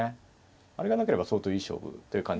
あれがなければ相当いい勝負という感じしますけど。